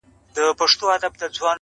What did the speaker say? هر یوه ته مي جلا کړی وصیت دی٫